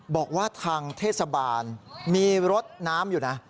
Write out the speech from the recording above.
บอกว่าทางเทศบาลมีรถน้ำอยู่นะ